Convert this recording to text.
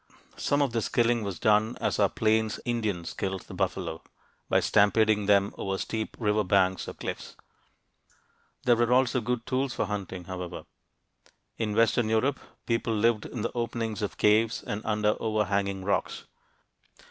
Some of this killing was done as our Plains Indians killed the buffalo by stampeding them over steep river banks or cliffs. There were also good tools for hunting, however. In western Europe, people lived in the openings of caves and under overhanging rocks.